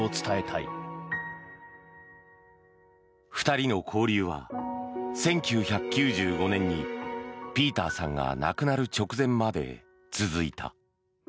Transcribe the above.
２人の交流は１９９５年にピーターさんが亡くなる直前まで続いた。